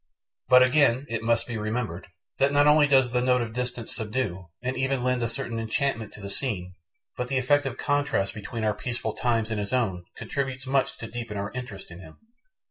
But again, it must be remembered, that not only does the note of distance subdue, and even lend a certain enchantment to the scene, but the effect of contrast between our peaceful times and his own contributes much to deepen our interest in him.